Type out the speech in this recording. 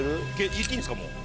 いっていいんですかもう。